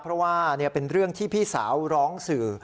เพราะว่าเป็นเรื่องที่พี่สาวร้องสื่อ